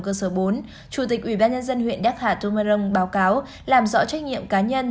cơ sở bốn chủ tịch ủy ban nhân dân huyện đắc hà tù mơ rông báo cáo làm rõ trách nhiệm cá nhân